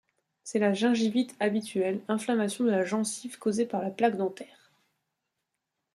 C'est la gingivite habituelle, inflammation de la gencive causée par la plaque dentaire.